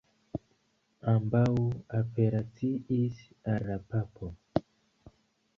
Ambaŭ apelaciis al la papo.